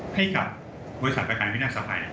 ให้กับบริษัทประกันวิทยาลัยสภัย